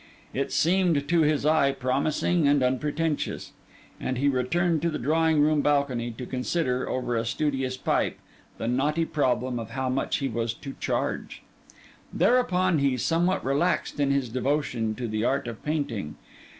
It seemed, to his eye, promising and unpretentious; and he returned to the drawing room balcony, to consider, over a studious pipe, the knotty problem of how much he was to charge. Thereupon he somewhat relaxed in his devotion to the art of painting.